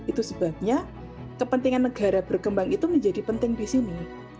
itu sebabnya kepentingan negara berkembang itu menjadi penting di sini